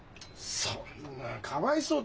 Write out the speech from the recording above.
そんな「かわいそう」